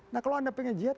nah kalau anda pengen jihad